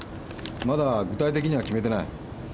まだ具体的には決めてない。